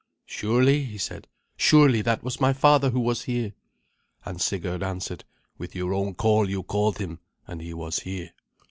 "Surely," he said, "surely that was my father who was here?" And Sigurd answered, "With your own call you called him, and he was here."